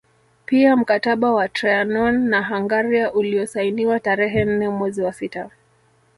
Pia mkataba wa Trianon na Hungaria uliosainiwa tarehe nne mwezi wa sita